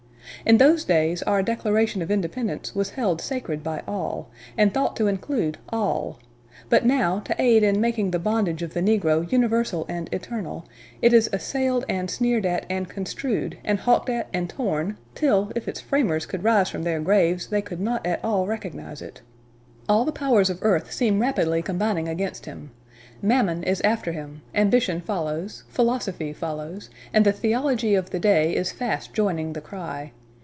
In those days, our Declaration of Independence was held sacred by all, and thought to include all; but now, to aid in making the bondage of the negro universal and eternal, it is assailed and sneered at and construed, and hawked at and torn, till, if its framers could rise from their graves, they could not at all recognize it. All the powers of earth seem rapidly combining against him. Mammon is after him, ambition follows, philosophy follows, and the theology of the day is fast joining the cry.